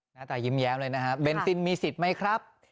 หน้าตายิ้มเลยนะครับเบนซินมีสิทธิ์ไหมครับ